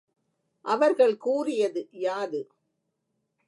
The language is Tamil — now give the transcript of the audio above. அவர்கள் கூறியது யாது?